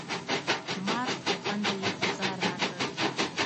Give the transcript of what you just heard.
مار غوندې یې ګوزار راکړ.